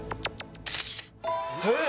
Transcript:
えっ？